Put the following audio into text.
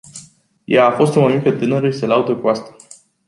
Ea a fost o mămică tânără și se laudă cu asta.